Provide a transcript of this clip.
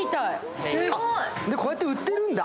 こうやって売ってるんだ。